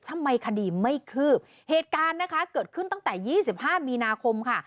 ทำไมคดีไม่คืบเหตุการณ์นะคะเกิดขึ้นตั้งแต่๒๕มีนาคมค่ะ